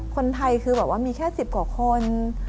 คนไทยคือแบบว่ามีแค่๑๐กว่าคน